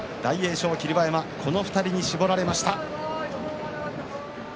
翔、霧馬山この２人に絞られました。